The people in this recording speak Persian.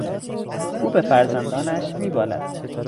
او به فرزندانش میبالد.